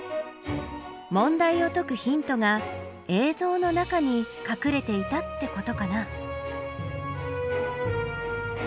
問題を解くヒントが映像の中にかくれていたってことかな？